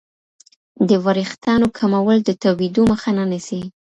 د وریښتانو کمول د توېدو مخه نه نیسي.